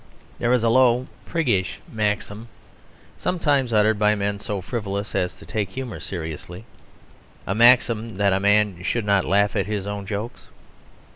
There is a low priggish maxim sometimes uttered by men so frivolous as to take humour seriously a maxim that a man should not laugh at his own jokes.